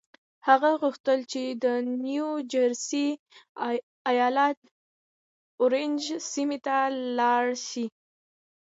هغه غوښتل د نيو جرسي ايالت اورنج سيمې ته لاړ شي.